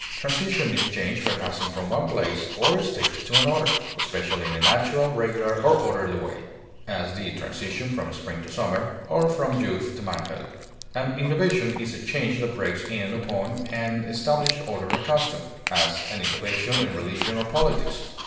Transition is change by passing from one place or state to another, especially in a natural, regular, or orderly way; as, the transition from spring to summer, or from youth to manhood. An innovation is a change that breaks in upon an established order or custom; as, an innovation in religion or politics.